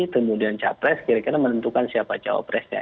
kemudian capres kira kira menentukan siapa cawapresnya